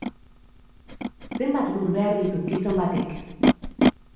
Zenbat lur behar ditu gizon batek?